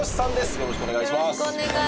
よろしくお願いします。